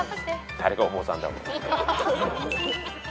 誰がお坊さんだ。